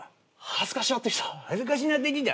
恥ずかしなってきた？